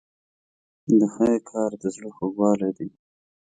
د خیر کار د زړه خوږوالی دی.